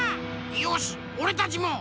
よしおれたちも！